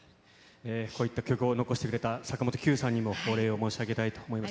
こういった曲を残してくれた坂本九さんにもお礼を申し上げたいと思います。